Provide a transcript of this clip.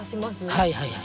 はいはいはい。